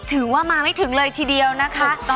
ถือว่ามาไม่ถึงเลยทีเดียวนะคะ